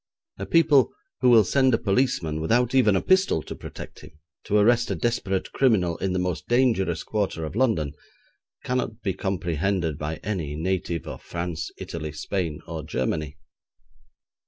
A people who will send a policeman, without even a pistol to protect him, to arrest a desperate criminal in the most dangerous quarter of London, cannot be comprehended by any native of France, Italy, Spain, or Germany.